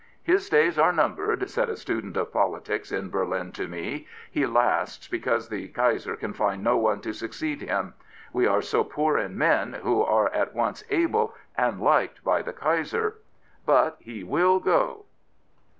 " His days are numbered,*' said a student of politics in Berlin to me. " He lasts because the Kaiser can find no one to succeed him. We are so poor in men who are at once able and liked by the Kaiser. But he will go.